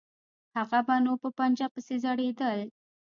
هغه به نو په پنجه پسې ځړېدل.